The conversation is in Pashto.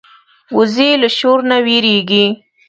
وزې له شور نه وېرېږي